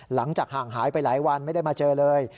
หลังจากห่างหายไปหลายวันไม่ได้มาเจอเลย